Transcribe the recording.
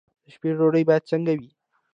د شپې ډوډۍ باید څنګه وي؟